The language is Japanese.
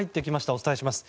お伝えします。